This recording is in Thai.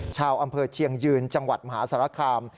ชาวอำเภอเชียงยืนจังหวัดมหาสารคาม